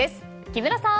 木村さん！